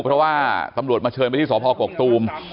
เพราะว่าตำรวจมาเชิญไปที่สพกกตูม